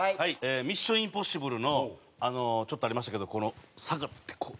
『ミッション：インポッシブル』のちょっとありましたけど下がってこう。